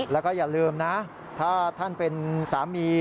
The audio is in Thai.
แล้วก็อย่าลืมนะถ้าท่านเป็นสามี